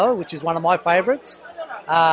yang salah satu favorit saya